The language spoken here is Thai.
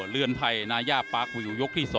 เรือนไทยนาย่าปาร์ควิวยกที่๒